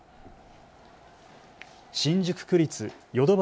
新宿区立淀橋